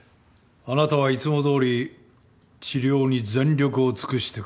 あなたはいつもどおり治療に全力を尽くしてください。